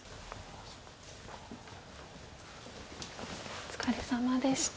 お疲れさまでした。